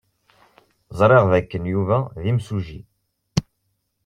Ẓriɣ dakken Yuba d imsujji.